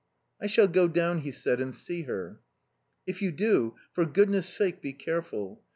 "I shall go down," he said, "and see her." "If you do, for goodness' sake be careful.